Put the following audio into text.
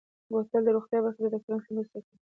بوتل د روغتیا برخه کې د ډاکترانو سره مرسته کوي.